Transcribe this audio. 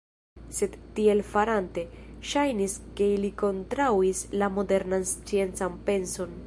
Sed tiel farante, ŝajnis ke ili kontraŭis la modernan sciencan penson.